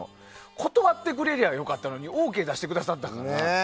断ってくれればいいのにＯＫを出してくださったからね。